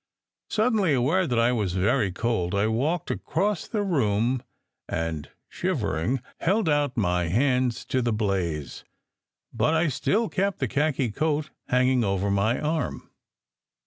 Suddenly aware that I was very cold, I walked across the room and shivering held out my hands to the blaze. But I still kept the khaki coat hanging over my arm.